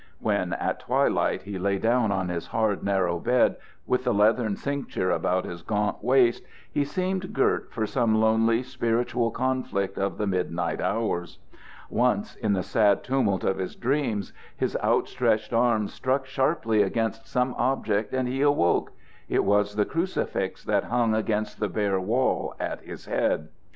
When, at twilight, he lay down on his hard, narrow bed, with the leathern cincture about his gaunt waist, he seemed girt for some lonely spiritual conflict of the midnight hours. Once, in the sad tumult of his dreams, his out stretched arms struck sharply against some object and he awoke; it was the crucifix that hung against the bare wall at his head.